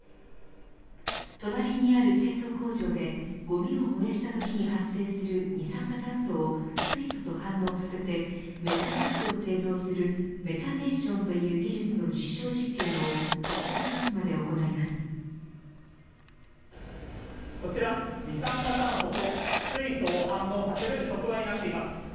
隣にある清掃工場でごみを燃やしたときに発生する二酸化炭素を水素と反応させてメタンガスを製造するメタネーションという技術の実証実験をこちら、二酸化炭素と水素を反応させる触媒になっています。